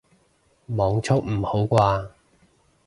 網速唔好啩